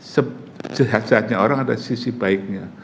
sejahatnya orang ada sisi baiknya